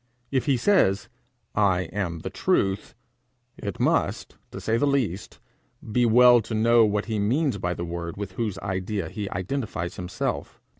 If he says, 'I am the truth,' it must, to say the least, be well to know what he means by the word with whose idea he identifies himself.